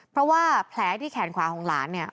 เพราะว่าแผลที่แขนขวาของหลานเนี่ย